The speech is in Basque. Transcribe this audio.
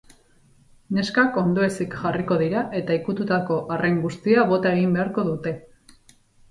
Neskak ondoezik jarriko dira eta ikututako arrain guztia bota egin beharko dute.